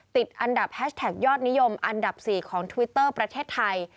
ติดอันดับแฮชแท็กยอดนิยมอันดับ๔ของทวิตเตอร์ประเทศไทย